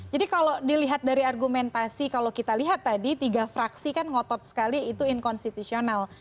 jadi kalau dilihat dari argumentasi kalau kita lihat tadi tiga fraksi kan ngotot sekali itu inkonstitusional